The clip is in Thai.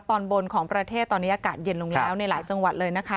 ตอนบนของประเทศตอนนี้อากาศเย็นลงแล้วในหลายจังหวัดเลยนะคะ